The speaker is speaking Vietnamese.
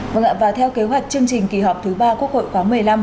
vâng ạ và theo kế hoạch chương trình kỳ họp thứ ba quốc hội khóa một mươi năm